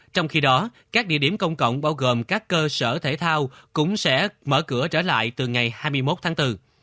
trong khi đó các địa điểm công cộng bao gồm các cơ sở thể thao cũng sẽ mở cửa trở lại từ ngày hai mươi một tháng bốn